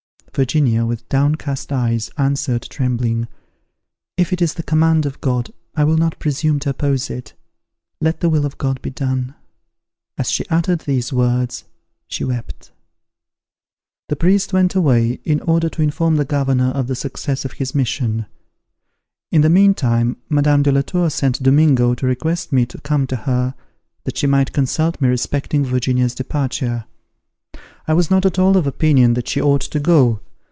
Virginia, with downcast eyes, answered, trembling, "If it is the command of God, I will not presume to oppose it. Let the will of God be done!" As she uttered these words, she wept. The priest went away, in order to inform the governor of the success of his mission. In the meantime Madame de la Tour sent Domingo to request me to come to her, that she might consult me respecting Virginia's departure. I was not at all of opinion that she ought to go.